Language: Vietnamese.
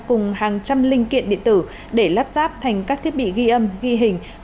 cùng hàng trăm linh linh kiện điện tử để lắp ráp thành các thiết bị ghi âm ghi hình